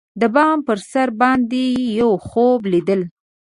د بام پر سر باندی یوخوب لیدل